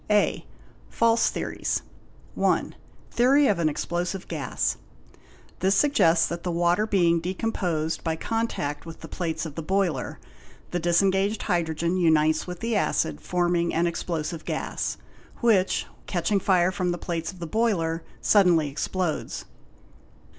: A. False Theories. a. Theory of an explosive gas. This suggests that the water being decomposed by contact with the plates of the boiler, the disengaged hydrogen unites with the acid, forming an explosive gas, which catching fire from the plates of the boiler suddenly explodes.